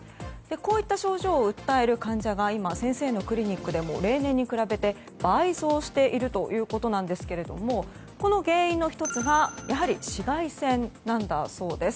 こういった症状を訴える患者が先生のクリニックでも例年に比べて倍増しているということなんですがこの原因の１つがやはり紫外線なんだそうです。